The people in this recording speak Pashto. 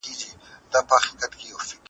مؤمن دوا خوري او توکل کوي.